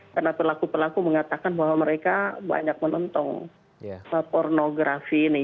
karena pelaku pelaku mengatakan bahwa mereka banyak menonton pornografi ini